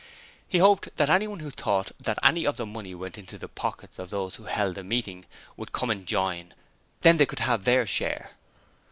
He hoped that anyone who thought that any of the money went into the pockets of those who held the meeting would come and join: then they could have their share.